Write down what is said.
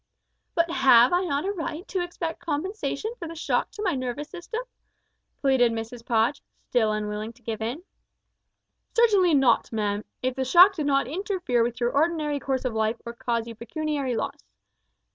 "But have I not a right to expect compensation for the shock to my nervous system?" pleaded Mrs Podge, still unwilling to give in. "Certainly not, ma'am, if the shock did not interfere with your ordinary course of life or cause you pecuniary loss.